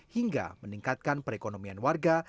hingga meningkatkan perekonomian warga